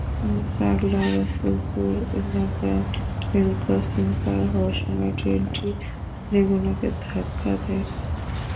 পাগলা রসুলপুর এলাকায় রেলক্রসিং পার হওয়ার সময় ট্রেনটি লেগুনাকে ধাক্কা দেয়।